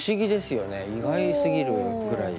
意外すぎるぐらい。